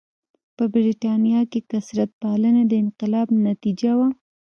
په برېټانیا کې کثرت پالنه د انقلاب نتیجه وه.